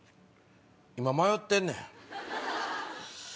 今迷ってんねん。